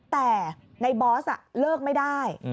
แต่ในบอสเลิกไม่ได้